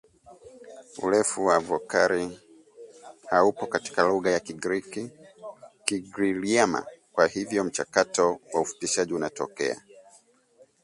Urefu wa vokali haupo katika lugha ya Kigiryama kwa hivyo mchakato wa ufupishaji unatokea